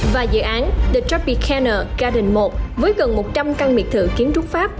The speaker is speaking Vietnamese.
và dự án the tropicana garden một với gần một trăm linh căn miệt thự kiến trúc pháp